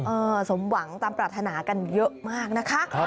สมหวังตามปรารถนากันเยอะมากนะคะ